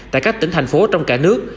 tại các tỉnh thành phố trong cả nước